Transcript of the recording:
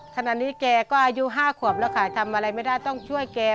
ขณะนี้แกก็อายุ๕ขวบแล้วค่ะทำอะไรไม่ได้ต้องช่วยแก